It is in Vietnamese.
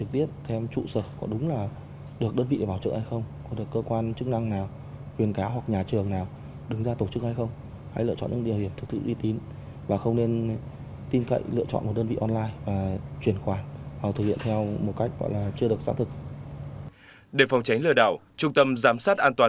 để phòng tránh lừa đảo trung tâm giám sát an toàn